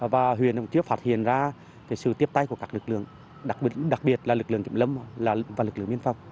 và huyện cũng chưa phát hiện ra sự tiếp tay của các lực lượng đặc biệt là lực lượng kiểm lâm và lực lượng miên phòng